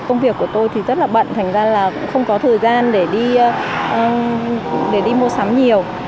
công việc của tôi thì rất là bận thành ra là cũng không có thời gian để đi mua sắm nhiều